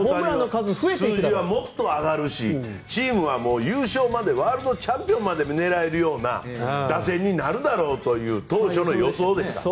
数字がもっと上がるしチームは優勝までワールドチャンピオンまで狙えるような打線になるだろうという当初の予想でした。